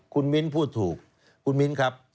คุณมิ้นพูดถูกคุณมิ้นครับ